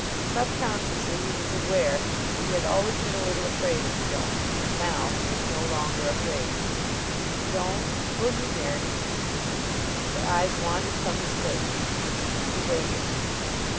Subconsciously he was aware he had always been a little afraid of Joan, and that now he was no longer afraid. "Joan, will you marry me?" Her eyes wandered from his face. He waited.